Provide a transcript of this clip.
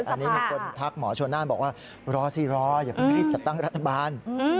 อันนี้มีคนทักหมอชนน่านบอกว่ารอสิรออย่าเพิ่งรีบจัดตั้งรัฐบาล